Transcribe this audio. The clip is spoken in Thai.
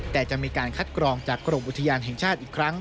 แต่จะมีการคัดกรองจากกรมอุทยานแห่งชาติอีกครั้ง